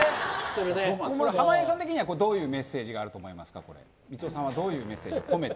濱家さん的にはどういうメッセージがあると思いますか？